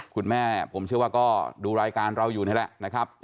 คุณแม่ผมเชื่อว่าก็ดูรายการเราอยู่นี่แหละนะครับ